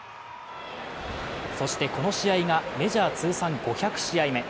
そして、この試合がメジャー通算５００試合目。